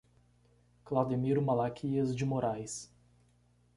Claudemiro Malaquias de Morais